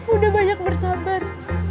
udah banyak bersabar